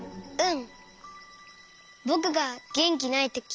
うん。